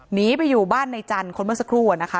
หนีไปอยู่บ้านในจันทร์คนเมื่อสักครู่อะนะคะ